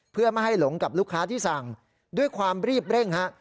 เพื่อไม่ให้หลงกับลูกค้าที่สั่งด้วยความรีบเร่งฮะ